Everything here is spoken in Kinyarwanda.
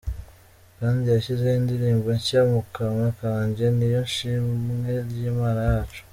Kandi yashyize indirimbo nshya mu kanwa kanjye, Ni yo shimwe ry’Imana yacu.